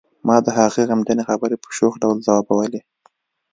ما د هغې غمجنې خبرې په شوخ ډول ځوابولې